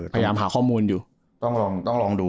พยายามหาข้อมูลอยู่